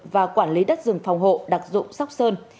và quản lý đất rừng phòng hộ đặc dụng sóc sơn